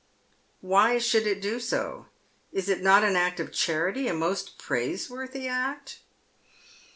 " Why should it do so ? Is it not an act of charity, a most praiseworthy act